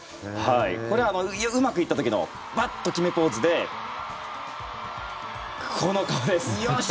これ、うまくいった時のバッと決めポーズでよし！